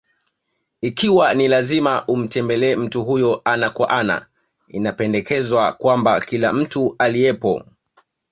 Ikiwa ni lazima umtembelee mtu huyo ana kwa ana, inapendekezwa kwamba kila mtu aliyepo: